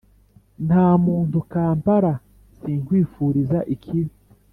Ntamuntu kampara sinkwifuriza ikibi